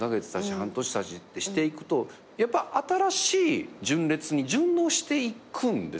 半年たちってしていくとやっぱ新しい純烈に順応していくんですね。